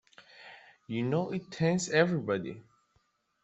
You know it taints everybody.